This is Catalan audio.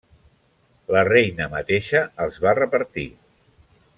La Reina mateixa els va repartir.